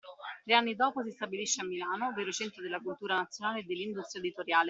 Tre anni dopo si stabilisce a Milano, vero centro della cultura nazionale e dell’industria editoriale.